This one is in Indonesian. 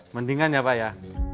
mendingannya pak ya